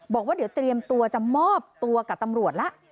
บอกว่าเดี๋ยวเตรียมตัวจะมอบตัวกับตำรวจแล้ว